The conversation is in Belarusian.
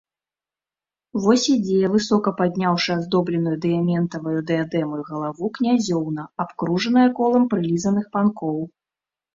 Вось ідзе, высока падняўшы аздобленую дыяментаваю дыядэмаю галаву, князёўна, абкружаная колам прылізаных панкоў.